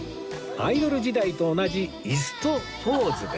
アイドル時代と同じ椅子とポーズで